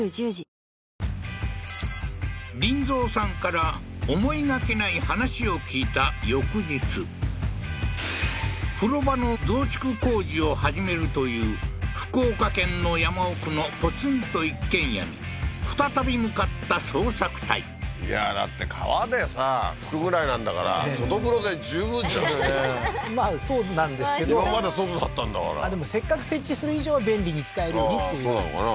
林三さんから思いがけない話を聞いた風呂場の増築工事を始めるという福岡県の山奥のいやだって川でさ拭くぐらいなんだから外風呂で十分じゃんまあそうなんですけど今まで外だったんだからでもせっかく設置する以上は便利に使えるようにっていうそうなのかな？